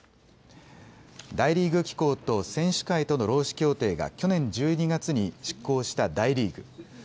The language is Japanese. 大リーグ機構と選手会との労使協定が去年１２月に失効した大リーグ。